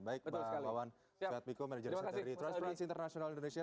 baik pak bawan pak miko manager seteri transparency international indonesia